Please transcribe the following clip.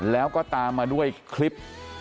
แล้วก็ตามมาด้วยคลิป